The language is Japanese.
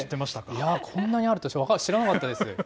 いや、こんなにあるって私、知らなかったです。